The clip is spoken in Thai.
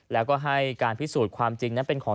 แล้วก็ให้การพิสูจน์ความจริงนั้นเป็นของ